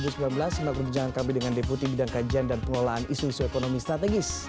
semoga berkembang dengan kami dengan deputi bidang kajian dan pengelolaan isu isu ekonomi strategis